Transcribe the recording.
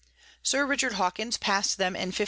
Sir Richard Hawkins pass'd them in 1593.